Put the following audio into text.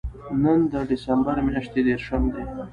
نن د دېسمبر میاشتې درېرشم دی